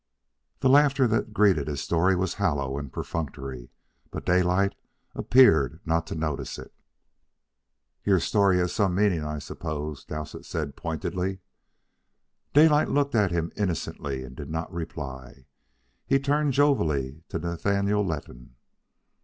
'" The laughter that greeted his story was hollow and perfunctory, but Daylight appeared not to notice it. "Your story has some meaning, I suppose," Dowsett said pointedly. Daylight looked at him innocently and did not reply. He turned jovially to Nathaniel Letton.